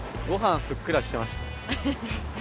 ご飯ふっくらしてました。